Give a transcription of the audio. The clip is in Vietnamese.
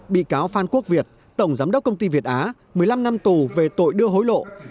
bị cáo phan quốc việt tổng giám đốc công ty việt á một mươi năm năm tù về tội đưa hối lộ